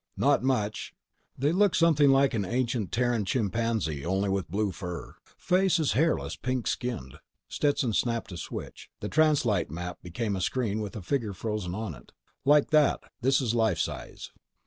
"Not much. They look something like an ancient Terran chimpanzee ... only with blue fur. Face is hairless, pink skinned." Stetson snapped a switch. The translite map became a screen with a figure frozen on it. "Like that. This is life size."